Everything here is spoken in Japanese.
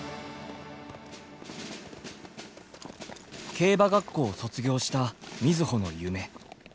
競馬学校を卒業した瑞穂の夢。